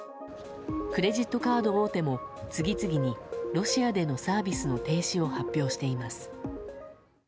クレジットカード大手も、次々にロシアでのサービスの停止を発表しています。